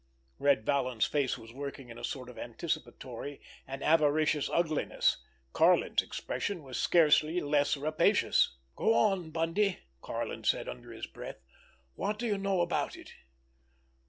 Red Vallon's face was working in a sort of anticipatory and avaricious ugliness; Karlin's expression was scarcely less rapacious. "Go on, Bundy!" Karlin said under his breath. "What do you know about it?"